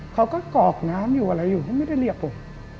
กอกน้ำอยู่อะไรอยู่เขาไม่ได้เรียกผม